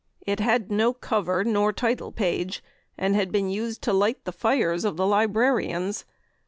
It had no cover nor title page, and had been used to light the fires of the librarians.